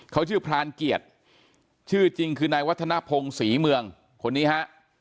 เขาชื่อพรานเกียรติชื่อจริงคือนายวัฒนภงศรีเมืองคนนี้ฮะ